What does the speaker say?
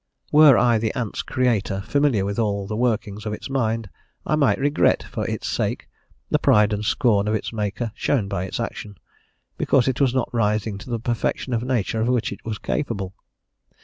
Were I the ant's creator familiar with all the workings of its mind, I might regret, for its sake, the pride and scorn of its maker shown by its action, because it was not rising to the perfection of nature of which it was capable.